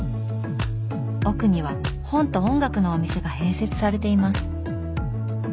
奥には本と音楽のお店が併設されています。